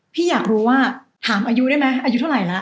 พี่อยากรู้ว่าถามอายุได้ไหมอายุเท่าไหร่แล้ว